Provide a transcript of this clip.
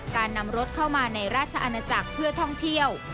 การนำรถเข้ามาในราชอาณาจักรเพื่อท่องเที่ยว